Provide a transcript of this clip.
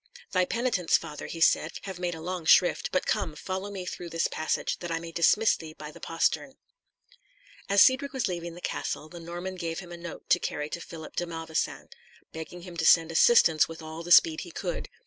"Thy penitents, father," he said, "have made a long shrift; but come, follow me through this passage, that I may dismiss thee by the postern." As Cedric was leaving the castle, the Norman gave him a note to carry to Philip de Malvoisin, begging him to send assistance with all the speed he could.